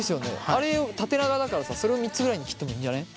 あれ縦長だからそれを３つぐらいに切ってもいいんじゃね？